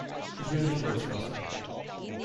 Ich will mich kurzfassen.